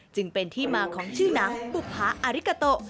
จึงเป็นที่มาของชื่อหนังบุภาอาริกาโต